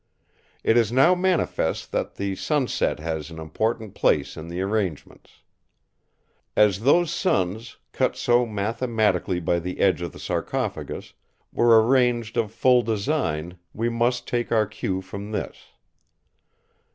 It is now manifest that the sunset has an important place in the arrangements. As those suns, cut so mathematically by the edge of the sarcophagus, were arranged of full design, we must take our cue from this.